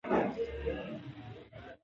ځمکه د افغانستان د جغرافیوي تنوع مثال دی.